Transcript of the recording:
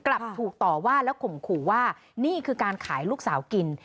กลับถูกต่อว่าแล้วข่มขู่ว่านี่คือการขายลูกสาวกิน